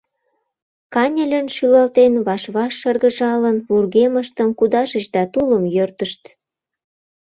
Каньылын шӱлалтен, ваш-ваш шыргыжалын, вургемыштым кудашыч да тулым йӧртышт.